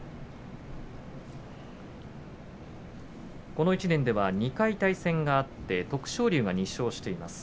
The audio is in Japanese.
この１年では２回対戦があって徳勝龍が連勝しています。